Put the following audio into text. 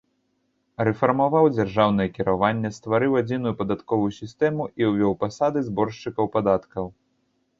Рэфармаваў дзяржаўнае кіраванне, стварыў адзіную падатковую сістэму і ўвёў пасады зборшчыкаў падаткаў.